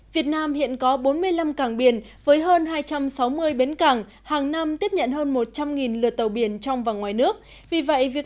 việt nam hiện có bốn mươi năm cảng biển với hơn hai trăm sáu mươi bến cảng hàng năm tiếp nhận hơn một trăm linh lượt tàu biển trong và ngoài nước